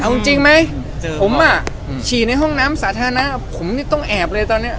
เอ้าจริงมั้ยผมอะขี่ในห้องน้ำศาฐานาผมนี่ต้องแอบเลยตอนนี้